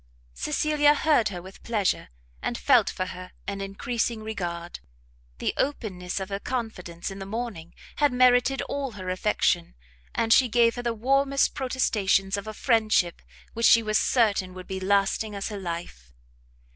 Cecilia heard her with pleasure, and felt for her an encreasing regard. The openness of her confidence in the morning had merited all her affection, and she gave her the warmest protestations of a friendship which she was certain would be lasting as her life.